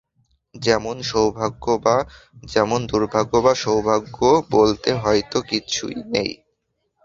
যেমন, দূর্ভাগ্য বা সৌভাগ্য বলতে হয়তো কিছুই নেই।